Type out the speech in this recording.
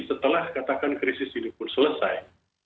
setelah katakan krisis ini pun selesai